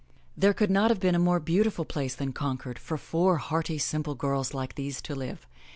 There could not have been a more beautiful place than Concord, IS MY BOOK HOUSE for four hearty, simple girls like these to live.